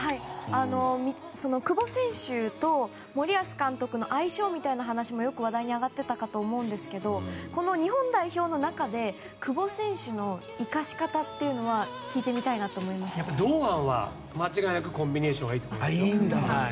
久保選手と森保監督の相性みたいな話もよく話題に上がってたかと思うんですけどこの日本代表の中で久保選手の生かし方を堂安は間違いなくコンビネーションがいいと思いますよ。